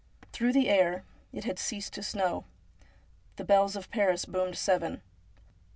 Through the air — it had ceased to snow — the bells of Paris boomed seven.